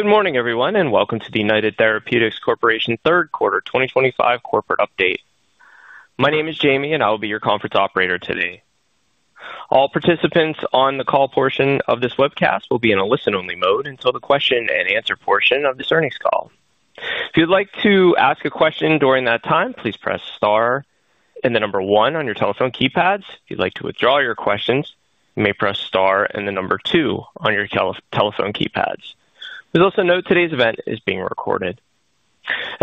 Good morning everyone and welcome to the United Therapeutics Corporation third quarter 2025 corporate update. My name is Jamie and I will be your conference operator today. All participants on the call portion of this webcast will be in a listen-only mode until the question-and-answer portion of this earnings call. If you'd like to ask a question during that time, please press star and the number one on your telephone keypads. If you'd like to withdraw your questions, you may press star and the number two on your telephone keypads. Please also note today's event is being recorded.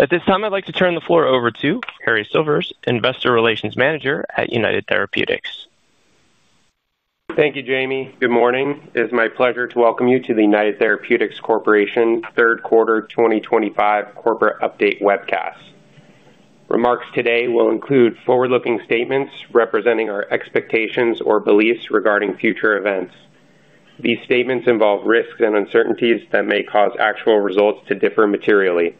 At this time, I'd like to turn the floor over to Harrison Silvers, Investor Relations Manager at United Therapeutics. Thank you, Jamie. Good morning. It is my pleasure to welcome you to the United Therapeutics Corporation third quarter 2025 corporate update webcast. Remarks today will include forward-looking statements representing our expectations or beliefs regarding future events. These statements involve risks and uncertainties that may cause actual results to differ materially.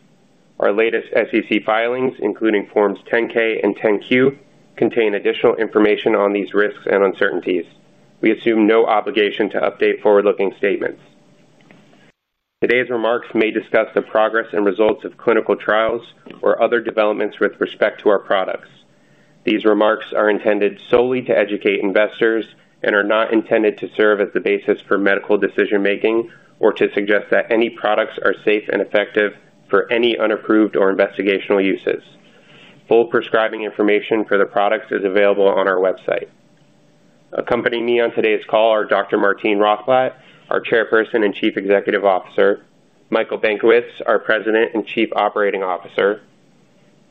Our latest SEC filings, including Forms 10-K and 10-Q, contain additional information on these risks and uncertainties. We assume no obligation to update forward-looking statements. Today's remarks may discuss the progress and results of clinical trials or other developments with respect to our products. These remarks are intended solely to educate investors and are not intended to serve as the basis for medical decision making or to suggest that any products are safe and effective for any unapproved or investigational uses. Full prescribing information for the products is available on our website. Accompanying me on today's call are Dr. Martine Rothblatt, our Chairperson and Chief Executive Officer; Michael Benkowitz, our President and Chief Operating Officer;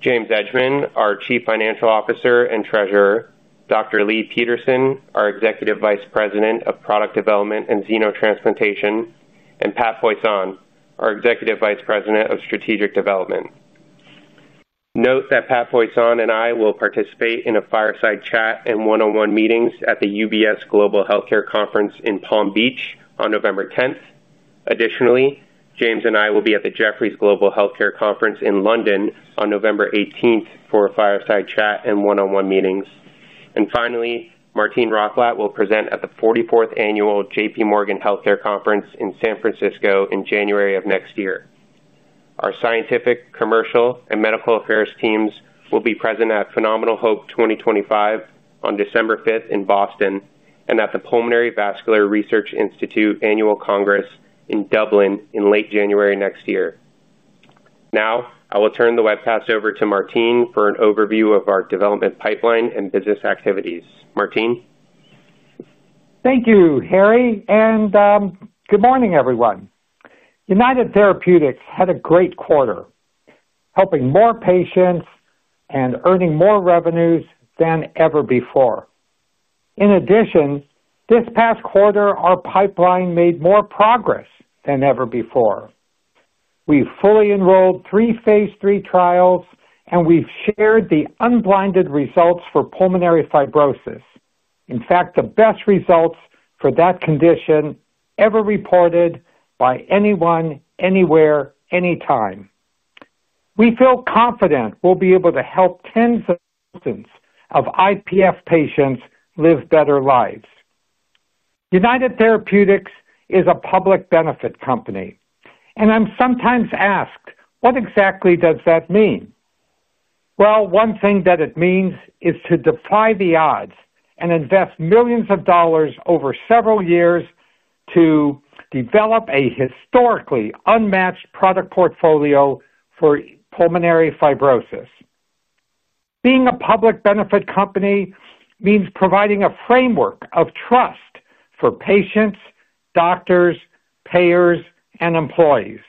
James Edgemond, our Chief Financial Officer and Treasurer; Dr. Leigh Peterson, our Executive Vice President of Product Development and Xenotransplantation; and Pat Poisson, our Executive Vice President of Strategic Development. Note that Pat Poisson and I will participate in a fireside chat and one-on-one meetings at the UBS Global Healthcare Conference in Palm Beach on November 10th. Additionally, James and I will be at the Jefferies Global Healthcare Conference in London on November 18th for a fireside chat and one-on-one meetings. Finally, Martine Rothblatt will present at the 44th annual JPMorgan Healthcare Conference in San Francisco in January of next year. Our scientific, commercial, and medical affairs teams will be present at Phenomenal Hope 2025 on December 5th in Boston and at the Pulmonary Vascular Research Institute Annual Congress in Dublin in late January next year. Now I will turn the webcast over to Martine for an overview of our development pipeline and business activities. Martine. Thank you, Harry, and good morning everyone. United Therapeutics had a great quarter helping more patients and earning more revenues than ever before. In addition, this past quarter our pipeline made more progress than ever before. We fully enrolled three Phase III trials and we've shared the unblinded results for pulmonary fibrosis. In fact, the best results for that condition ever reported by anyone, anywhere, anytime. We feel confident we'll be able to help tens of thousands of IPF patients live better lives. United Therapeutics is a public benefit company and I'm sometimes asked, what exactly does that mean? One thing that it means is to defy the odds and invest millions of dollars over several years to develop a historically unmatched product portfolio for pulmonary fibrosis. Being a public benefit company means providing a framework of trust for patients, doctors, payers, and employees.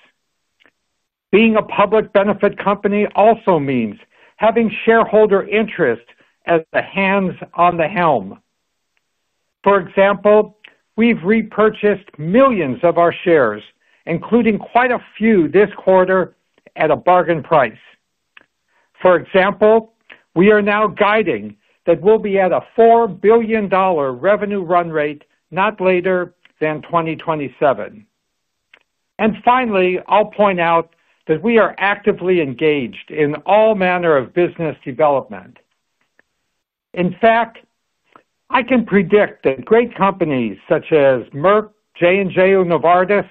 Being a public benefit company also means having shareholder interest as the hands on the helm. For example, we've repurchased millions of our shares, including quite a few this quarter at a bargain price. For example, we are now guiding that we'll be at a $4 billion revenue run rate not later than 2027. Finally, I'll point out that we are actively engaged in all manner of business development. In fact, I can predict that great companies such as Merck, J&J, or Novartis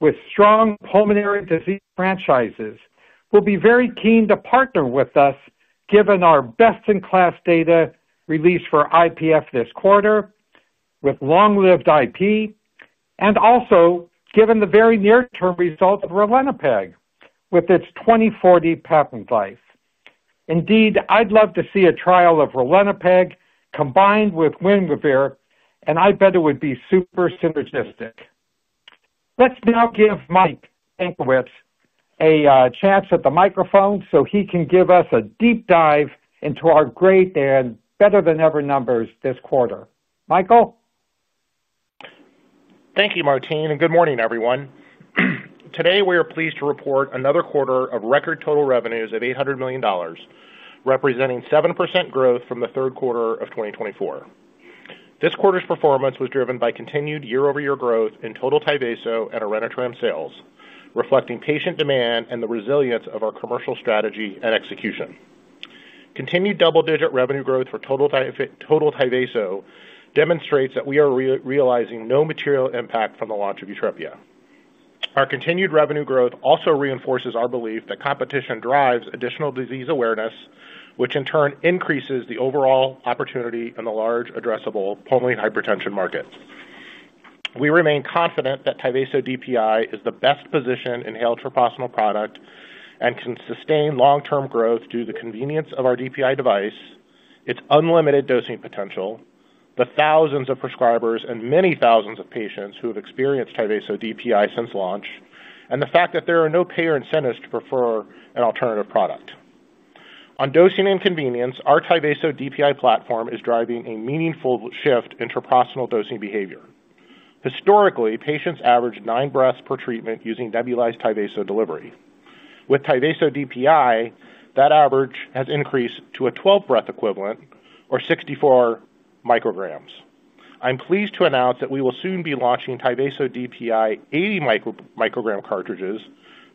with strong pulmonary disease franchises will be very keen to partner with us, given our best-in-class data released for IPF this quarter with long-lived IP, and also given the very near-term result of ralinepag with its 2040 patent life. Indeed, I'd love to see a trial of ralinepag combined with Winvir and I bet it would be super synergistic. Let's now give Michael Benkowitz a chance at the microphone so he can give us a deep dive into our great and better than ever numbers this quarter. Michael. Thank you, Martine, and good morning everyone. Today we are pleased to report another quarter of record total revenues of $800 million, representing 7% growth from the third quarter of 2024. This quarter's performance was driven by continued year-over-year growth in total Tyvaso and Orenitram sales, reflecting patient demand and the resilience of our commercial strategy and execution. Continued double-digit revenue growth for total Tyvaso demonstrates that we are realizing no material impact from the launch of Eutrepia. Our continued revenue growth also reinforces our belief that competition drives additional disease awareness, which in turn increases the overall opportunity in the large addressable pulmonary hypertension market. We remain confident that Tyvaso DPI is the best positioned inhaled treprostinil product and can sustain long-term growth due to the convenience of our DPI device, its unlimited dosing potential, the thousands of prescribers and many thousands of patients who have experienced Tyvaso DPI since launch, and the fact that there are no payer incentives to prefer an alternative product. On dosing and convenience, our Tyvaso DPI platform is driving a meaningful shift in treprostinil dosing behavior. Historically, patients averaged nine breaths per treatment using nebulized Tyvaso delivery. With Tyvaso DPI, that average has increased to a 12-breath equivalent or 64 micrograms. I'm pleased to announce that we will soon be launching Tyvaso DPI 80-microgram cartridges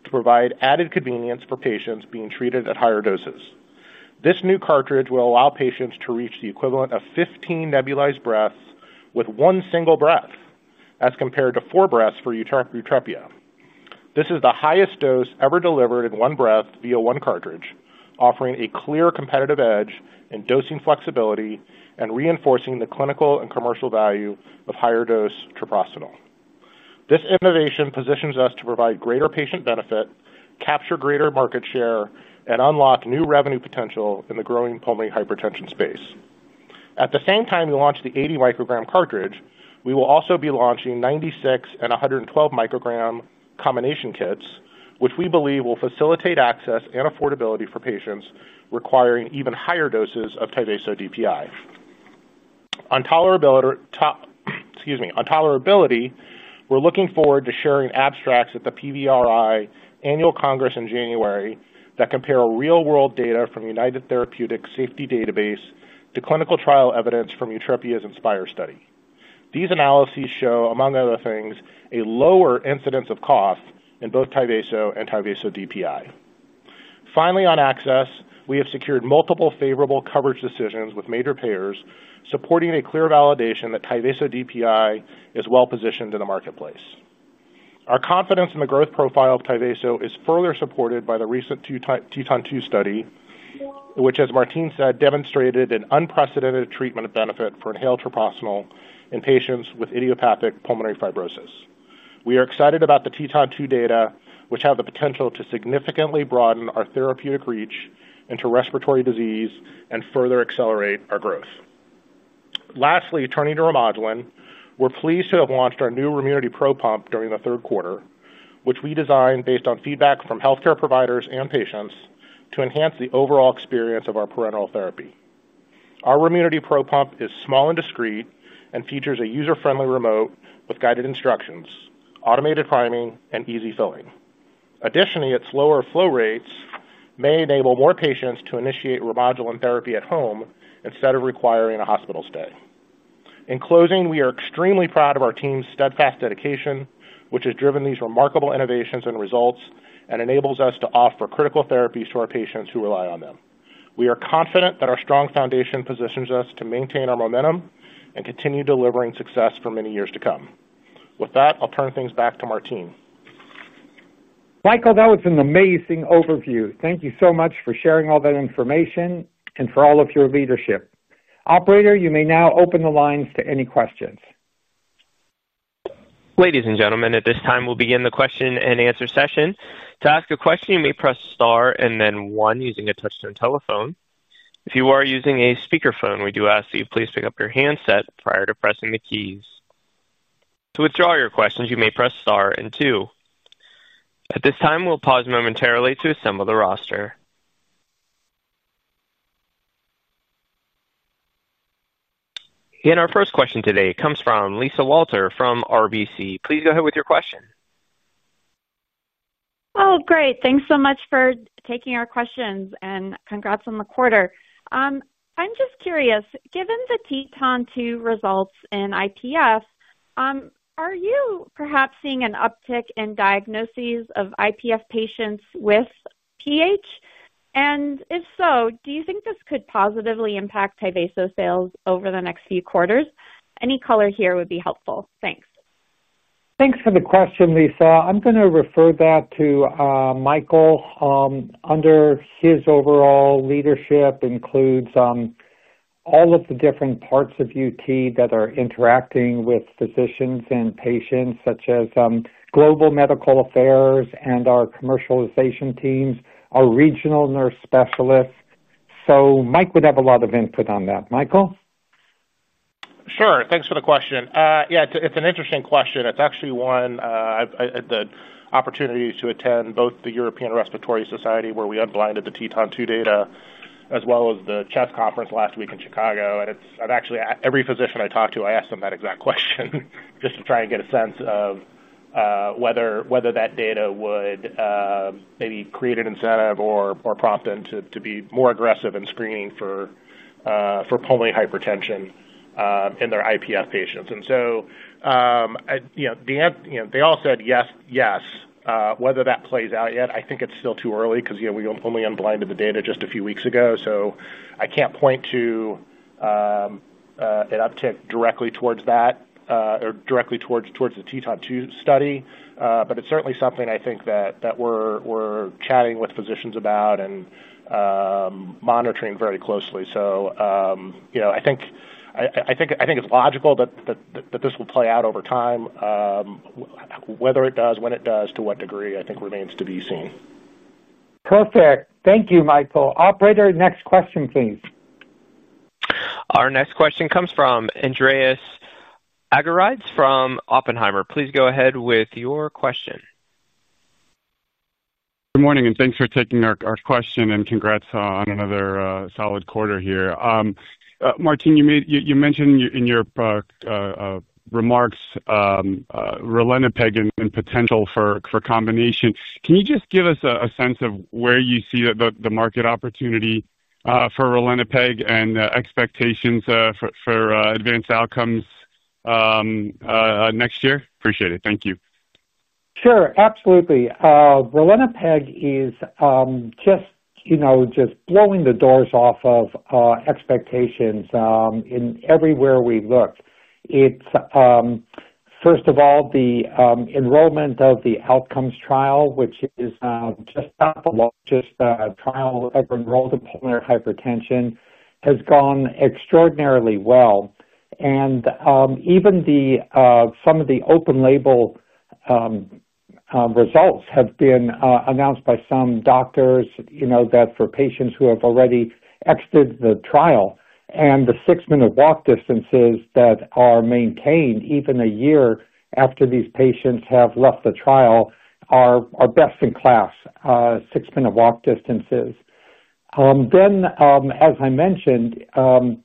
to provide added convenience for patients being treated at higher doses. This new cartridge will allow patients to reach the equivalent of 15 nebulized breaths with one single breath as compared to four breaths for Eutrepia. This is the highest dose ever delivered in one breath via one cartridge, offering a clear competitive edge in dosing flexibility and reinforcing the clinical and commercial value of higher dose treprostinil. This innovation positions us to provide greater patient benefit, capture greater market share, and unlock new revenue potential in the growing pulmonary hypertension space. At the same time we launch the 80 micrograms cartridge, we will also be launching 96 micrograms and 112 micrograms combination kits, which we believe will facilitate access and affordability for patients requiring even higher doses of Tyvaso DPI. On tolerability, we're looking forward to sharing abstracts at the PBRI Annual Congress in January that compare real-world data from United Therapeutics Safety Database to clinical trial evidence from Eutrepia's Inspire study. These analyses show, among other things, a lower incidence of cough in both Tyvaso and Tyvaso DPI. Finally, on access, we have secured multiple favorable coverage decisions with major payers supporting a clear validation that Tyvaso DPI is well-positioned in the marketplace. Our confidence in the growth profile of Tyvaso is further supported by the recent TETON 2 study which, as Martine said, demonstrated an unprecedented treatment benefit for inhaled treprostinil in patients with idiopathic pulmonary fibrosis. We are excited about the TETON 2 data which have the potential to significantly broaden our therapeutic reach into respiratory disease and further accelerate our growth. Lastly, turning to Remodulin, we're pleased to have launched our new Remunity Pro pump during the third quarter which we designed based on feedback from healthcare providers and patients to enhance the overall experience of our parenteral therapy. Our Remunity Pro pump is small and discreet and features a user friendly remote with guided instructions, automated priming and easy filling. Additionally, its lower flow rates may enable more patients to initiate Remodulin therapy at home instead of requiring a hospital stay. In closing, we are extremely proud of our team's steadfast dedication which has driven these remarkable innovations and results and enables us to offer critical therapies to our patients who rely on them. We are confident that our strong foundation positions us to maintain our momentum and continue delivering success for many years to come. With that, I'll turn things back to Martine. Michael, that was an amazing overview. Thank you so much for sharing all that information and for all of your leadership. Operator, you may now open the lines to any questions. Ladies and gentlemen, at this time we'll begin the question-and-answer session. To ask a question, you may press star and then one using a touchtone telephone. If you are using a speakerphone, we do ask that you please pick up your handset prior to pressing the keys. To withdraw your questions, you may press star and two. At this time, we'll pause momentarily to assemble the roster. Our first question today comes from Lisa Walter from RBC. Please go ahead with your question. Oh great. Thanks so much for taking our questions and congrats on the quarter. I'm just curious, given the TETON 2 results in IPF, are you perhaps seeing an uptick in diagnoses of IPF patients and if so, do you think this could positively impact Tyvaso sales over the next few quarters? Any color here would be helpful. Thanks. Thanks for the question, Lisa. I'm going to refer that to Michael, under his overall leadership, which includes all of the different parts of United Therapeutics that are interacting with physicians and patients, such as Global Medical Affairs and our commercialization teams, our regional nurse specialists. Mike would have a lot of input on that. Michael, sure. Thanks for the question. Yeah, it's an interesting question. It's actually one the opportunity to attend both the European Respiratory Society where we unblinded the TETON 2 data, as well as the CHESS conference last week in Chicago. It's actually every physician I talk to, I ask them that exact question just to try and get a sense of whether that data would maybe create an incentive or prompt them to be more aggressive in screening for pulmonary hypertension in their IPF patients. And so, they all said yes. Whether that plays out yet, I think it's still too early because we only unblinded the data just a few weeks ago. I can't point to an uptick directly towards that or directly towards the TETON 2 study. It's certainly something I think that we're chatting with physicians about and monitoring very closely. I think it's logical that this will play out over time. Whether it does, when it does, to what degree, I think remains to be seen. Perfect. Thank you, Michael. Operator, next question, please. Our next question comes from Andreas Argyrides from Oppenheimer. Please go ahead with your question. Good morning and thanks for taking our question and congrats on another solid quarter here. Martine, you mentioned in your remarks Ralinepag potential for combination. Can you just give us a sense of where you see the market opportunity for ralinepag and expectations for advanced outcomes next year? Appreciate it. Thank you. Sure. Absolutely. Ralinepag is just, you know, just blowing the doors off of expectations in everywhere we look. First of all, the enrollment of the outcomes trial, which is just about the largest trial ever enrolled in pulmonary hypertension, has gone extraordinarily well. Even some of the open-label results have been announced by some doctors that for patients who have already exited the trial and the six-minute walk distances that are maintained even a year after these patients have left the trial are best-in-class. Six-minute walk distances, then, as I mentioned, the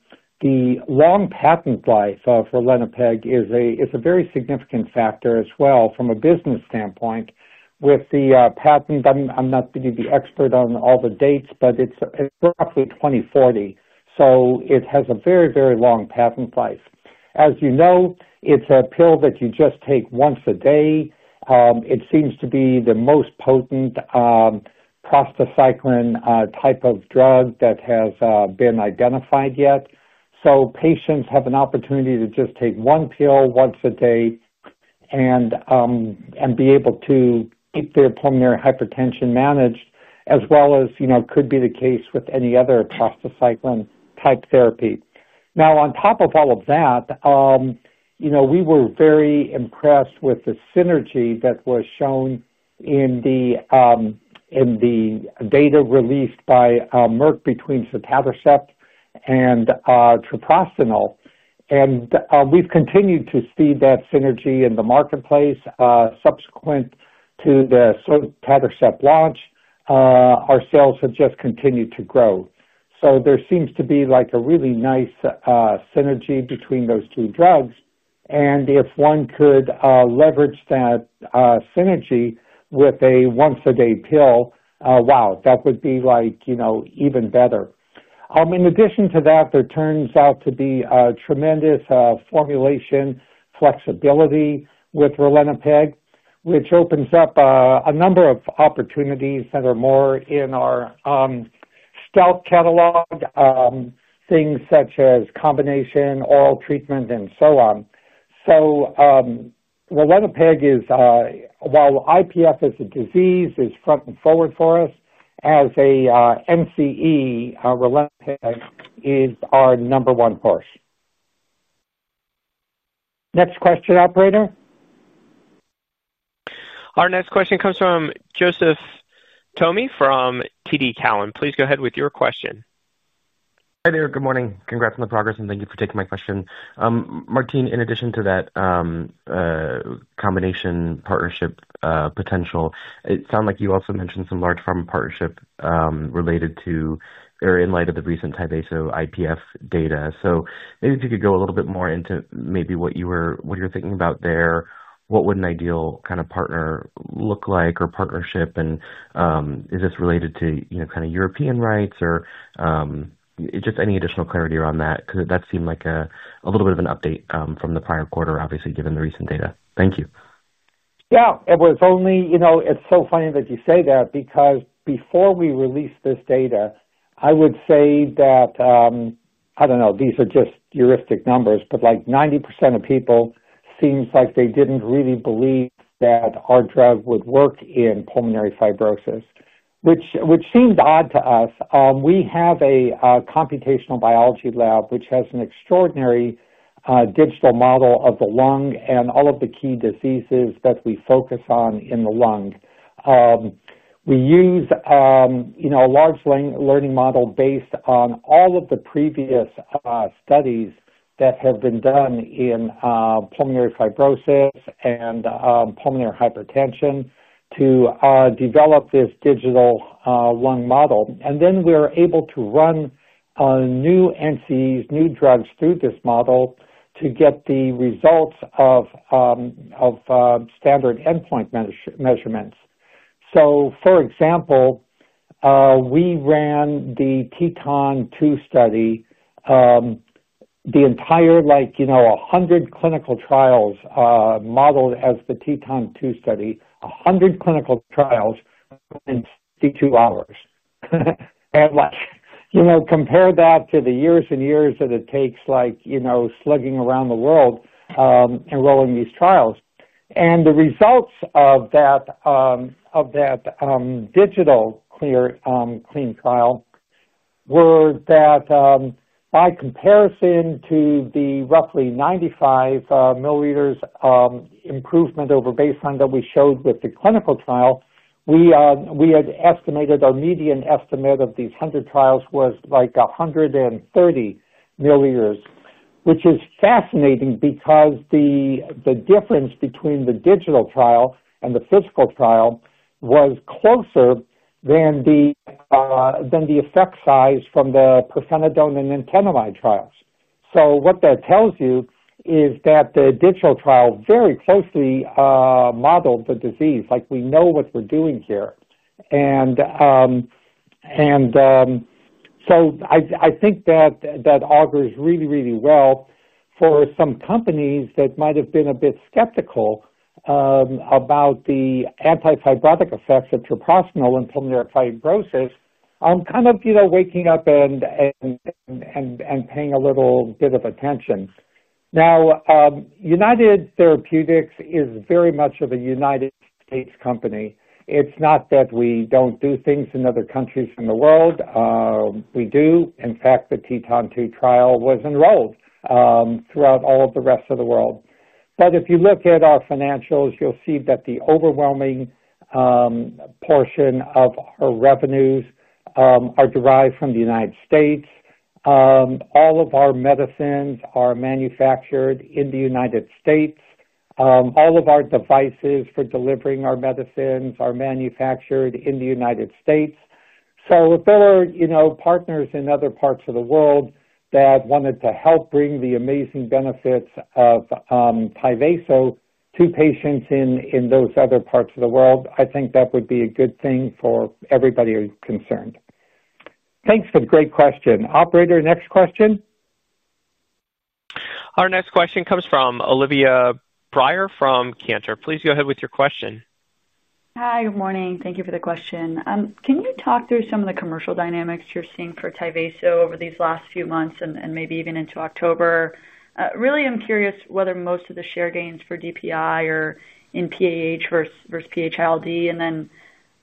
long patent life for ralinepag is a very significant factor as well from a business standpoint with the patent. I'm not the expert on all the dates, but it's roughly 2040, so it has a very, very long patent life. As you know, it's a pill that you just take once a day. It seems to be the most potent prostacyclin type of drug that has been identified yet. Patients have an opportunity to just take one pill once a day and be able to keep their pulmonary hypertension managed as well as, you know, could be the case with any other prostacyclin type therapy. On top of all of that, we were very impressed with the synergy that was shown in the data released by Merck between sotatercept and treprostinil. We've continued to see that synergy in the marketplace subsequent to the sotatercept launch. Our sales have just continued to grow. There seems to be a really nice synergy between those two drugs. If one could leverage that synergy with a once-a-day pill, wow, that would be even better. In addition to that, there turns out to be tremendous formulation flexibility with ralinepag, which opens up a number of opportunities that are more in our stealth catalog, things such as combination oral treatment and so on. Ralinepag is, while IPF as a disease is front and forward for us as a company, ralinepag is our number one course. Next question, Operator. Our next question comes from Joseph Thome from TD Cowen. Please go ahead with your question. Hi there. Good morning. Congrats on the progress and thank you.for taking my question. Martine, in addition to that combination partnership potential, it sounds like you also mentioned some large pharma partnership related to or in light of the recent Tyvaso IPF data. If you could go a little bit more into what you were thinking about there, what would an ideal kind of partner look like or partnership? Is this related to European rights or just any additional clarity around that? That seemed like a little bit of an update from the prior quarter, obviously, given the recent data. Thank you. Yeah, it was only. You know, it's so funny that you say that because before we released this data, I would say that, I don't know, these are just heuristic numbers, but like 90% of people seems like they didn't really believe that our drug would work in pulmonary fibrosis, which seemed odd to us. We have a computational biology lab which has an extraordinary digital model of the lung and all of the key diseases that we focus on in the lung. We use a large learning model based on all of the previous studies that have been done in pulmonary fibrosis and pulmonary hypertension to develop this digital lung model. We are able to run new NCEs, new drugs, through this model to get the results of standard endpoint measurements. For example, we ran the TETON 2 study, the entire, like, you know, 100 clinical trials modeled as the TETON 2 study, 100 clinical trials in 62 hours. Compare that to the years and years that it takes, like, you know, slugging around the world enrolling these trials. The results of that digital clean trial were that by comparison to the roughly 95 mL improvement over baseline that we showed with the clinical trial, we had estimated our median estimate of these 100 trials was like 130 mL, which is fascinating because the difference between the digital trial and the physical trial was closer than the effect size from the pirfenidone and nintedanib trials. What that tells you is that the digital trial very closely modeled the disease. We know what we're doing here. I think that augurs really, really well for some companies that might have been a bit skeptical about the antifibrotic effects of treprostinil in pulmonary fibrosis, kind of, you know, waking up and paying a little bit of attention. Now, United Therapeutics is very much a United States company. It's not that we don't do things in other countries in the world. We do. In fact, the TETON 2 trial was enrolled throughout all of the rest of the world. If you look at our financials, you'll see that the overwhelming portion of our revenues are derived from the United States. All of our medicines are manufactured in the United States. All of our devices for delivering our medicines are manufactured in the United States. There were partners in other parts of the world that wanted to help bring the amazing benefits of Tyvaso to patients in those other parts of the world. I think that would be a good thing for everybody concerned. Thanks for the great question, operator. Next question. Our next question comes from Olivia Breyer from Cantor. Please go ahead with your question. Hi, good morning. Thank you for the question. Can you talk through some of the commercial dynamics you're seeing for Tyvaso over these last few months and maybe even into October? I'm curious whether most of the share gains for Tyvaso DPI are in PAH versus ILD.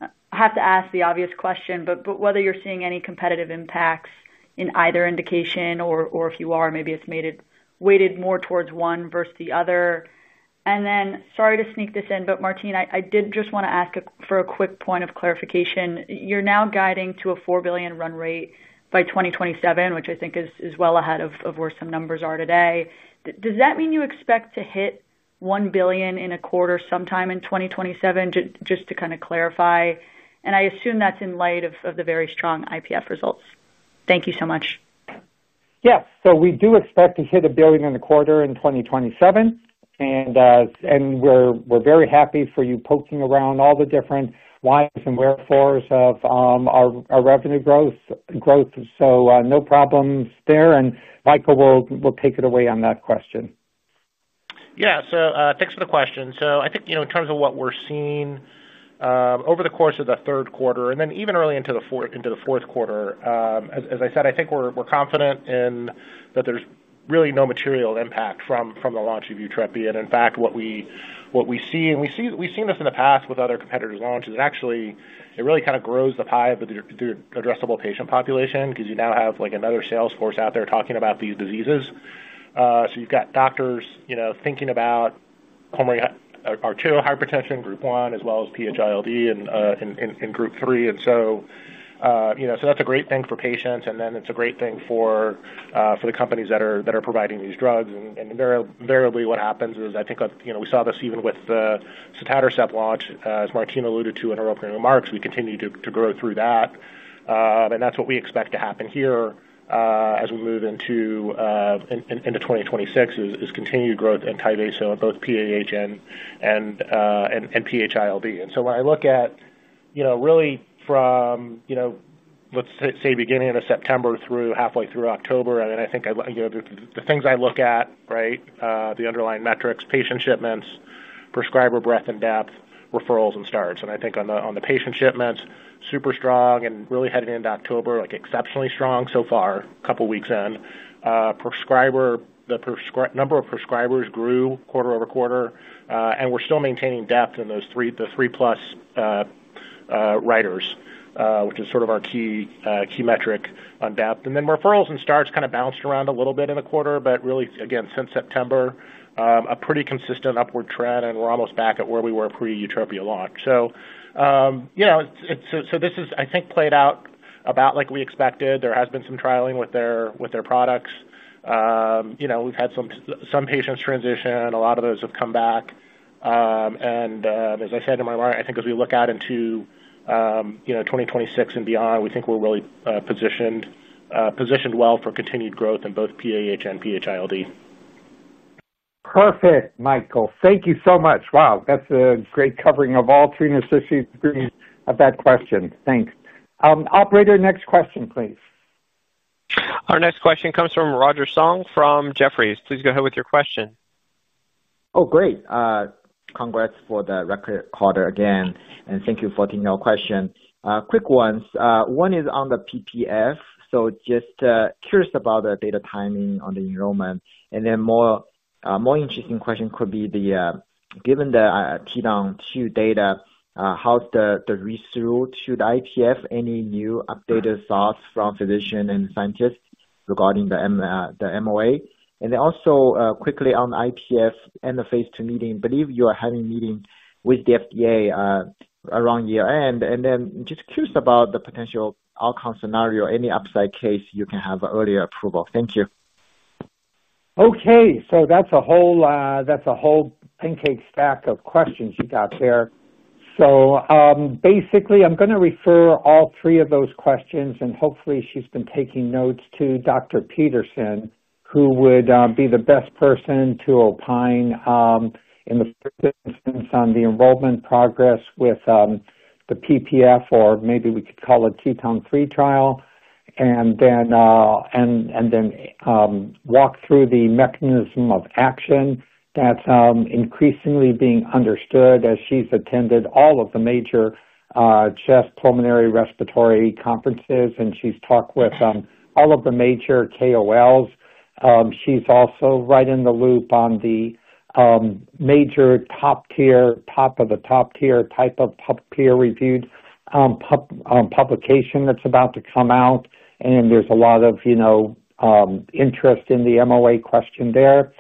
I have to ask the obvious question, whether you're seeing any competitive impacts in either indication, or if you are, maybe it's weighted more towards one versus the other. Sorry to sneak this in, but, Martine, I did just want to ask for a quick point of clarification. You're now guiding to a $4 billion run rate by 2027, which I think is well ahead of where some numbers are today. Does that mean you expect to hit $1 billion in a quarter sometime in 2027? Just to kind of clarify, and I assume that's in light of the very strong IPF results. Thank you so much. Yes. We do expect to hit $1 billion in the quarter in 2027, and we're very happy for you poking around all the different whys and wherefores of our revenue growth. No problem. Michael will take it away on that question. Yeah, thanks for the question. I think in terms of what we're seeing over the course of the third quarter and then even early into the fourth quarter, as I said, I think we're confident that there's really no material impact from the launch of Eutrepia. In fact, what we see, and we've seen this in the past with other competitors' launches, actually it really kind of grows the high, but the addressable patient population, because you now have another sales force out there talking about these diseases. You've got doctors thinking about pulmonary arterial hypertension group one as well as PH-ILD in group three. That's a great thing for patients and it's a great thing for the companies that are providing these drugs. Invariably what happens is, I think, we saw this even with the sotatercept launch, as Martine alluded to in her opening remarks, we continue to grow through that and that's what we expect to happen here as we move into 2026, is continued growth in Tyvaso in both PAH and PH-ILD. When I look at, really from, let's say, beginning of September through halfway through October, the things I look at, right, the underlying metrics, patient shipments, prescriber breadth and depth, referrals and starts, and I think on the patient shipments, super strong and really headed into October, like exceptionally strong so far. A couple weeks in, prescriber, the number of prescribers grew quarter-over-quarter and we're still maintaining depth in those three, the three plus writers, which is sort of our key metric. Referrals and starts kind of bounced around a little bit in the quarter. Again, since September, a pretty consistent upward trend. We're almost back at where we were pre-Eutrepia launch. This has played out about like we expected. There has been some trialing with their products. We've had some patients transition. A lot of those have come back. As I said in my remark, as we look out into 2026 and beyond, we think we're really positioned well for continued growth in both PAH and PH-ILD. Perfect. Michael, thank you so much. Wow, that's a great covering of all 360 degrees of that question. Thanks, operator. Next question, please. Our next question comes from Roger Song from Jefferies. Please go ahead with your question. Oh great. Congrats for the record quarter again and thank you for taking our question. Quick ones. One is on the PPF. Just curious about the data timing on the enrollment and then more interesting question could be given the TETON 2 data, how's the read through to the IPF. Any new updated thoughts from physicians and scientists regarding the MOA? Also quickly on IPF and the Phase II meeting. Believe you are having a meeting with the FDA around year end and just curious about the potential outcome scenario, any upside case you can have earlier approval. Thank you. Okay, that's a whole pancake stack of questions you got there. Basically, I'm going to refer all three of those questions, and hopefully she's been taking notes, to Dr. Leigh Peterson, who would be the best person to opine in this instance on the enrollment progress with the PPF, or maybe we could call it TETON 3 trial, and then walk through the mechanism of action that's increasingly being understood as she's attended all of the major chest pulmonary respiratory conferences and she's talked with all of the major KOLs. She's also right in the loop on the major top tier, top of the top tier type of peer-reviewed publication that's about to come out. There's a lot of interest in the MOA question there.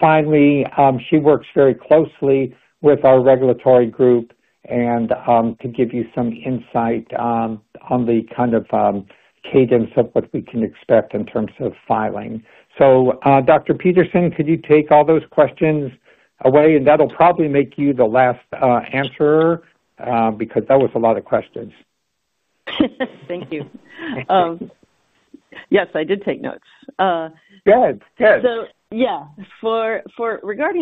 Finally, she works very closely with our regulatory group to give you some insight on the kind of cadence of what we can expect in terms of filing. Dr.Peterson, could you take all those questions away and that'll probably make you the last answer because that was a lot of questions. Thank you. Yes, I did take notes. Regarding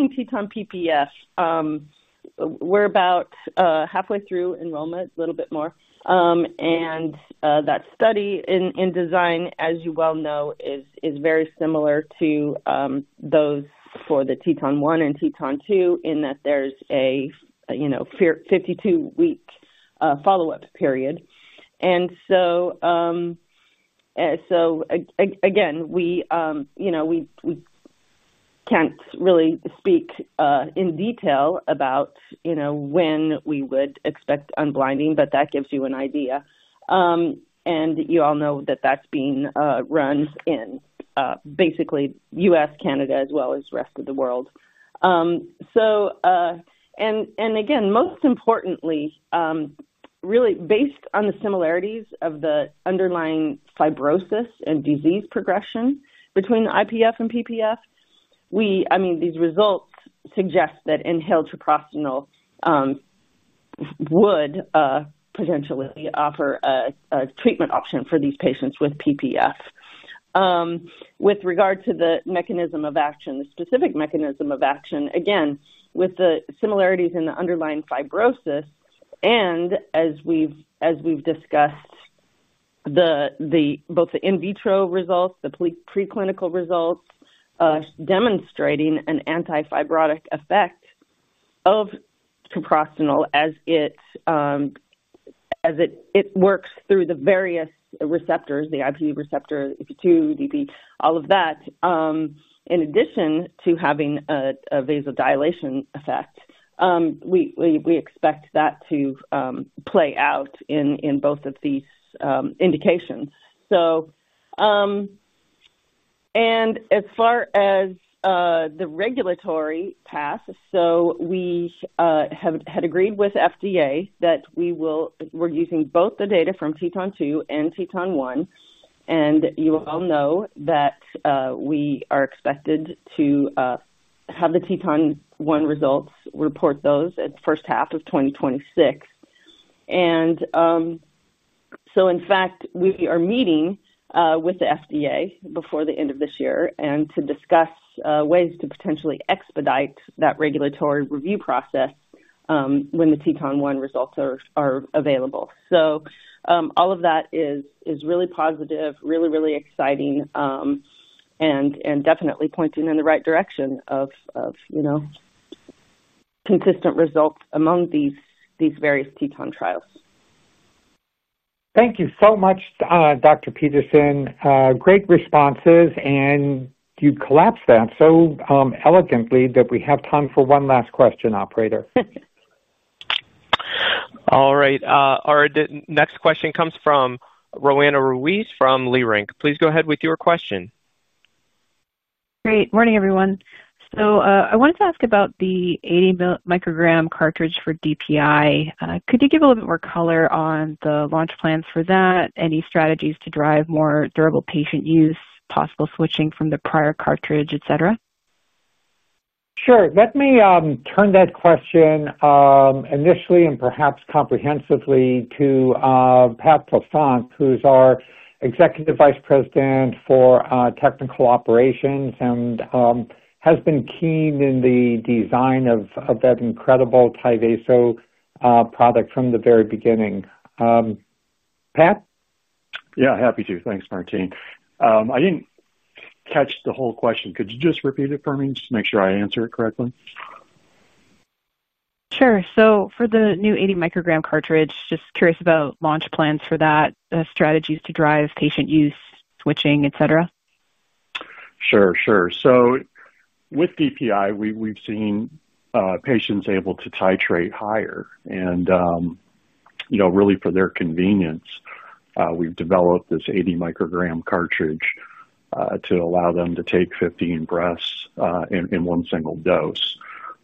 TETON PPF, we're about halfway through enrollment, a little bit more. That study in design, as you well know, is very similar to those for the TETON 1 and TETON 2 in that there's a 52-week follow-up period. We can't really speak in detail about when we would expect unblinding, but that gives you an idea, and you all know that that's being run in basically the U.S., Canada, as well as rest of the world. Most importantly, really based on the similarities of the underlying fibrosis and disease progression between IPF and PPF, these results suggest that inhaled treprostinil would potentially offer a treatment option for these patients with PPF. With regard to the mechanism of action, the specific mechanism of action, again with the similarities in the underlying fibrosis, and as we've discussed, both the in vitro results, the preclinical results demonstrating an anti-fibrotic effect of treprostinil as it works through the various receptors, the IP receptor, EP2, DP, all of that in addition to having a vasodilation effect, we expect that to play out in both of these indications. As far as the regulatory path, we have had agreed with FDA that we're using both the data from TETON 2 and TETON 1. You all know that we are expected to have the TETON 1 results, report those in the first half of 2026. In fact, we are meeting with the FDA before the end of this year to discuss ways to potentially expedite that regulatory review process when the TETON 1 results are available. All of that is really positive, really, really exciting and definitely pointing in the right direction of consistent results among these various TETON trials. Thank you so much, Dr. Peterson. Great responses. You collapsed that so elegantly that we have time for one last question. Operator. All right, our next question comes from Roanna Ruiz from Leerink. Please go ahead with your question. Great morning, everyone. I wanted to ask about the 80 micrograms cartridge for Tyvaso DPI. Could you give a little bit more color on the launch plans for that? Any strategies to drive more durable patient use, possible switching from the prior cartridge, etc? Sure. Let me turn that question initially and perhaps comprehensively to Pat Poisson, who's our Executive Vice President for Technical Operations and has been keen in the design of that incredible Tyvaso product from the very beginning. Pat? Yeah, happy to. Thanks, Martine. I didn't catch the whole question. Could you just repeat it for me? Just make sure I answer it correctly. Sure. For the new 80 micrograms cartridge, just curious about launch plans for that, the strategies to drive patient use, switching, etc. Sure. With DPI, we've seen patients able to titrate higher. For their convenience, we've developed this 80 micrograms cartridge to allow them to take 15 breaths in one single dose.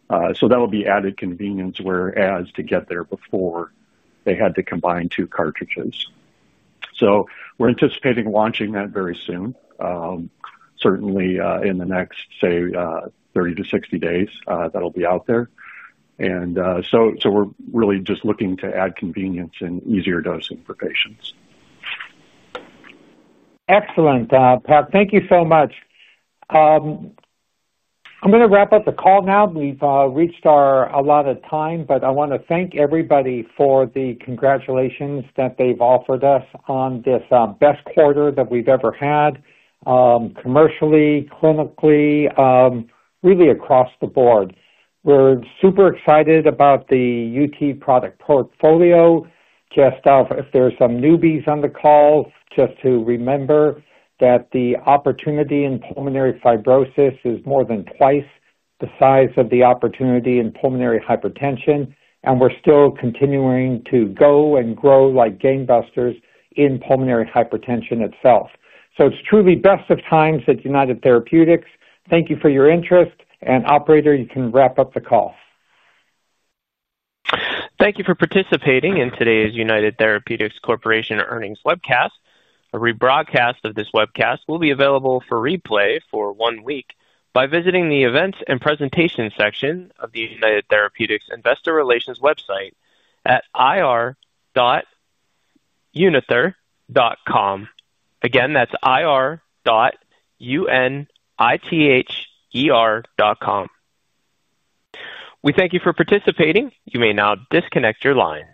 That'll be added convenience, whereas to get there before, they had to combine two cartridges. We are anticipating launching that very soon, certainly in the next, say, 30-60 days, that'll be out there. We're really just looking to add convenience and easier dosing for patients Excellent, Pat. Thank you so much. I'm going to wrap up the call now. We've reached our allotted time, but I want to thank everybody for the congratulations that they offered us on this best quarter that we've ever had commercially, clinically, really across the board. We're super excited about the United Therapeutics product portfolio. Just if there's some newbies on the call, just to remember that the opportunity in pulmonary fibrosis is more than twice the size of the opportunity in pulmonary hypertension. We're still continuing to go and grow like gangbusters in pulmonary hypertension itself. It's truly best of times at United Therapeutics. Thank you for your interest and operator, you can wrap up the call. Thank you for participating in today's United Therapeutics Corporation earnings webcast. A rebroadcast of this webcast will be available for replay for one week by visiting the Events and Presentations section of the United Therapeutics Investor Relations website at ir.unither.com. Again, that's ir.unither.com. We thank you for participating. You may now disconnect your lines.